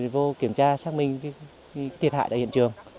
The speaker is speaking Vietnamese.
vô kiểm tra xác minh thiệt hại tại hiện trường